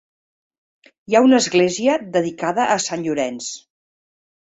Hi ha una església, dedicada a Sant Llorenç.